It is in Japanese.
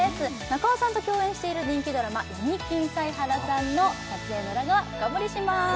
中尾さんと共演している人気ドラマ「闇金サイハラさん」の撮影の裏側深掘りします